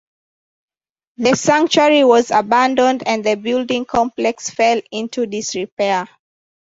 The sanctuary was abandoned and the building complex fell into disrepair.